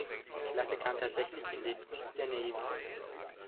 Klasse kam tatsächlich in den Dienst der Navy.